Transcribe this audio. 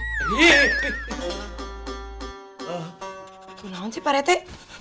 gila banget sih pak rete